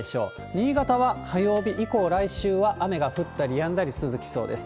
新潟は火曜日以降、来週は雨が降ったりやんだり続きそうです。